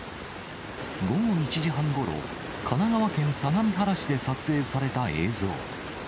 午後１時半ごろ、神奈川県相模原市で撮影された映像。